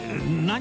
何？